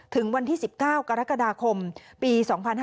ถึงวันที่๑๙กรกฎาคมปี๒๕๕๙